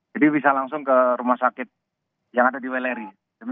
jadi bisa langsung ke rumah sakit yang ada di weleri